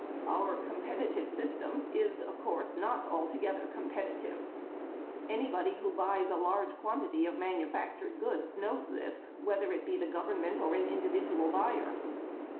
Our competitive system is, of course, not altogether competitive. Anybody who buys any large quantity of manufactured goods knows this, whether it be the government or an individual buyer.